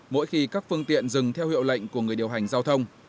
mỗi khi các phương tiện dừng theo hiệu lệnh của người điều hành giao thông